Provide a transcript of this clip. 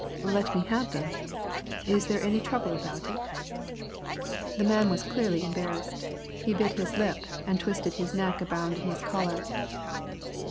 "Let me have them? Is there any trouble about it?" The man was clearly embarrassed. He bit his lip and twisted his neck around in his collar.